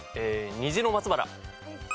虹の松原。